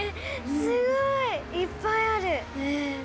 すごい！いっぱいある！